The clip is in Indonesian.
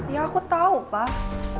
ya aku tahu pak